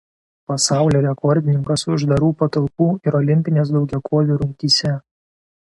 Pasaulio rekordininkas uždarų patalpų ir olimpinės daugiakovių rungtyse.